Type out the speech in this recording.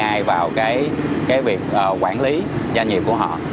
ai vào cái việc quản lý doanh nghiệp của họ